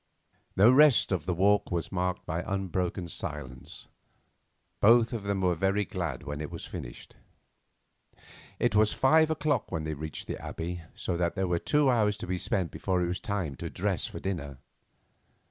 The rest of that walk was marked by unbroken silence. Both of them were very glad when it was finished. It was five o'clock when they reached the Abbey, so that there were two hours to be spent before it was time to dress for dinner.